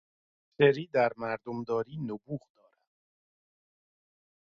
شری در مردمداری نبوغ دارد.